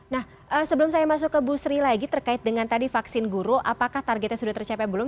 nah sebelum saya masuk ke bu sri lagi terkait dengan tadi vaksin guru apakah targetnya sudah tercapai belum